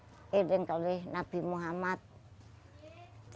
sejak tahun yang lalu nabi muhammad